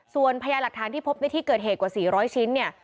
ส่วนพยาหลักฐานที่พบในที่เกิดเหตุกว่า๔๐๐ชิ้นเนี่ย